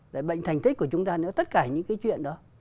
để bệnh thành tích của chúng ta nữa tất cả những cái chuyện đó